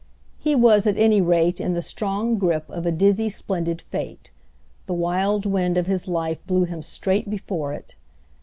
He was at any rate in the strong grip of a dizzy splendid fate; the wild wind of his life blew him straight before it.